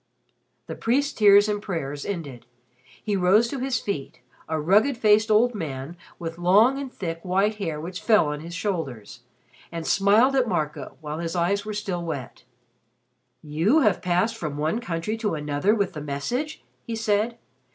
The priest's tears and prayers ended. He rose to his feet a rugged faced old man with long and thick white hair which fell on his shoulders and smiled at Marco while his eyes were still wet. "You have passed from one country to another with the message?" he said.